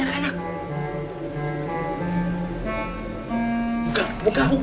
eh bos masuk